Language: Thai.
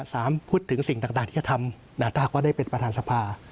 สามพูดถึงสิ่งต่างที่จะทำแต่ถ้าหากว่าได้เป็นประธานสภา